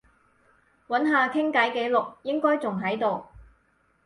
揾下傾偈記錄，應該仲喺度